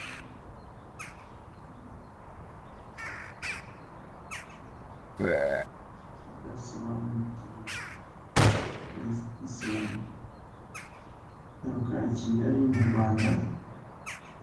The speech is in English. Framing the tales is Pseudo-Lucian's "Different Loves".